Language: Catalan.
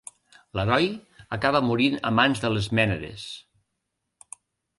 L'heroi acaba morint a mans de les Mènades.